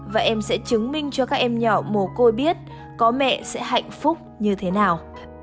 và em sẽ chứng minh cho các em nhỏ mồ côi biết có mẹ sẽ hạnh phúc như thế nào